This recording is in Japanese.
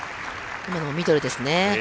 今のもミドルですね。